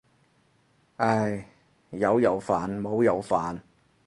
唉，有又煩冇又煩。